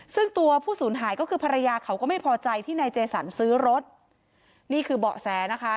ซึ่งตัวผู้สูญหายก็คือภรรยาเขาก็ไม่พอใจที่นายเจสันซื้อรถนี่คือเบาะแสนะคะ